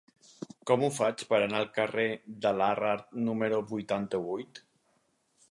Com ho faig per anar al carrer de Larrard número vuitanta-vuit?